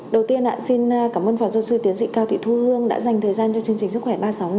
đầu tiên xin cảm ơn phó giáo sư tiến sĩ cao thị thu hương đã dành thời gian cho chương trình sức khỏe ba trăm sáu mươi năm